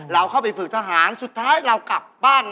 เราเข้าไปฝึกทหารสุดท้ายเรากลับบ้าน